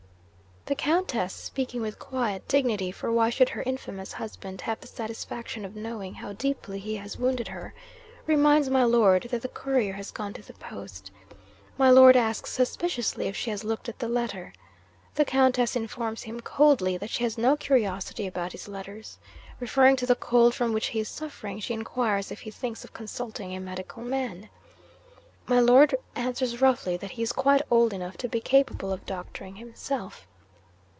'The Countess (speaking with quiet dignity for why should her infamous husband have the satisfaction of knowing how deeply he has wounded her?) reminds my Lord that the Courier has gone to the post. My Lord asks suspiciously if she has looked at the letter. The Countess informs him coldly that she has no curiosity about his letters. Referring to the cold from which he is suffering, she inquires if he thinks of consulting a medical man. My Lord answers roughly that he is quite old enough to be capable of doctoring himself.